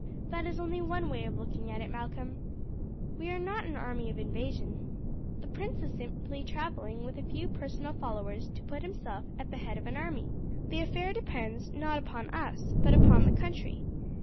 "That is only one way of looking at it, Malcolm. We are not an army of invasion. The prince is simply travelling with a few personal followers to put himself at the head of an army. The affair depends, not upon us, but upon the country.